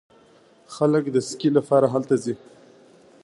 خلک د سکي لپاره هلته ځي.